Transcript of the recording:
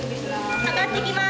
あがってきます。